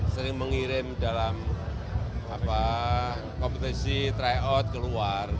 sering mengirim dalam kompetisi tryout keluar